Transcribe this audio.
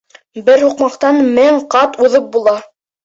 Бер һуҡмаҡтан мең ҡат уҙып була.